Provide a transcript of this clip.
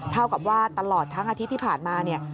เท่ากับว่าตลอดทั้งอาทิตย์ที่ผ่านมาเนี่ย